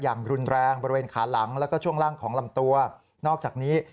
อย่างรุนแรงบริเวณขาหลังแล้วก็ช่วงล่างของลำตัวนอกจากนี้